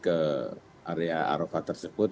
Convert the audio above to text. ke area arafah tersebut